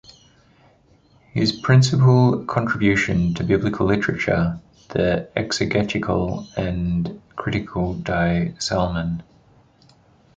His principal contribution to Biblical literature, the exegetical and critical Die Psalmen.